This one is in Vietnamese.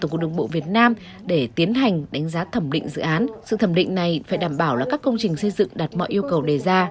chúng tôi phải đảm bảo các công trình xây dựng đạt mọi yêu cầu đề ra